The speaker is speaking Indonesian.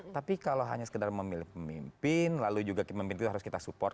tapi kalau hanya sekedar memilih pemimpin lalu juga pemimpin itu harus kita support